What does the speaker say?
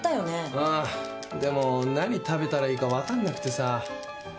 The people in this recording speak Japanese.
ああ、でも何食べたらいいか分からなくてさ。